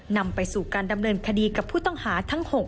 นำไปสู่การดำเนินคดีกับผู้ต้องหาทั้ง๖